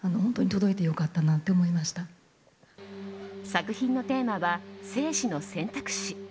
作品のテーマは生死の選択肢。